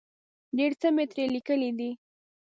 ډېر څه مې ترې لیکلي دي.